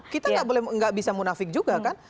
kita nggak bisa munafik juga kan